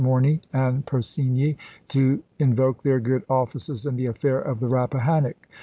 Morny and Persigny to invoke their good offices in the affair of the Bappahannock.